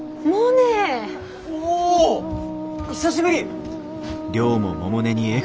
久しぶり！